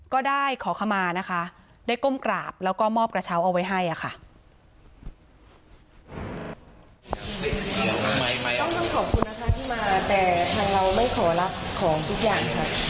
ขอต้องกลับมาครับก็เก็บ